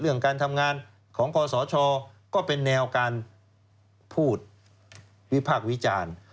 เรื่องการทำงานของคอสชก็เป็นแนวการพูดวิพากษ์วิจารณ์